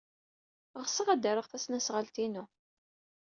Ɣseɣ ad d-rreɣ tasnasɣalt-inu.